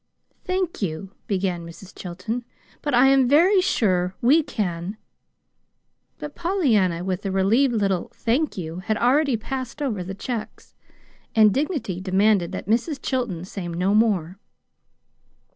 "Thank you," began Mrs. Chilton, "but I am very sure we can " But Pollyanna, with a relieved little "thank you!" had already passed over the checks; and dignity demanded that Mrs. Chilton say no more.